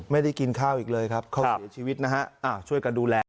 ไม่ได้กินข้าวอีกเลยครับเขาเสียชีวิตนะฮะช่วยกันดูแล